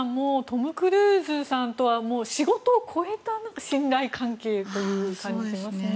トム・クルーズさんとは仕事を超えた信頼関係という感じしますね。